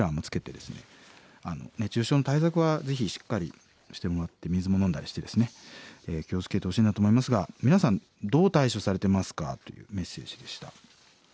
熱中症の対策はぜひしっかりしてもらって水も飲んだりしてですね気を付けてほしいなと思いますが皆さんどう対処されてますかというメッセージでした。